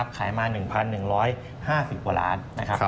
ขายมา๑๑๕๐พวราช